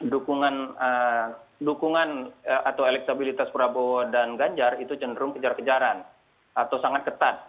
dukungan atau elektabilitas prabowo dan ganjar itu cenderung kejar kejaran atau sangat ketat